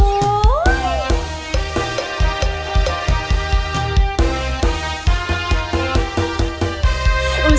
แบบมาแค่เนี่ยก็พกเมียมาดู